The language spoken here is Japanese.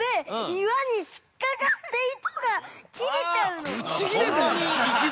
岩にひっかかって、糸が切れちゃうの！